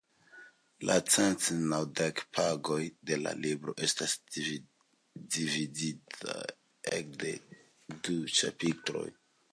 La cent naŭdek paĝoj de la libro estas dividitaj en dek du ĉapitrojn.